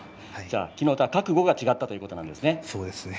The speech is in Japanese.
昨日とは覚悟が違ったということですね。